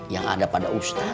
yang ada pada ustad